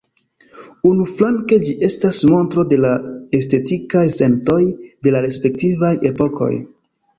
Unuflanke ĝi estas montro de la estetikaj sentoj de la respektivaj epokoj.